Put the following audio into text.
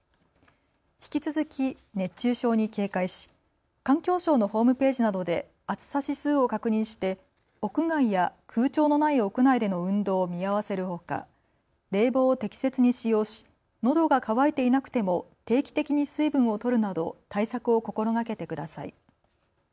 引き続き熱中症に警戒し環境省のホームページなどで暑さ指数を確認して屋外や空調のない屋内での運動を見合わせるほか冷房を適切に使用しのどが渇いていなくても定期的に水分をとるなど対策を心がけてください。